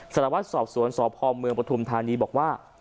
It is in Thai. สละวัดสอบสวนสอบพอมเมืองประถุมธานีบอกว่า